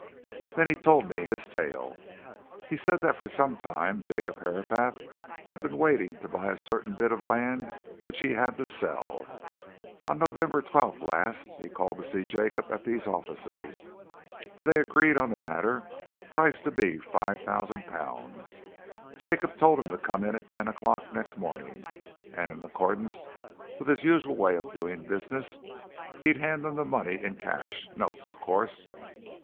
Then he told me his tale. He said that for some time Jacob Herapath had been waiting to buy a certain bit of land which he had to sell. On November 12th last he called to see Jacob at these offices, and they agreed on the matter, price to be £5,000. Jacob told him to come in at ten o'clock next morning, and in accordance with his usual way of doing business, he'd hand him the money in cash notes, of course.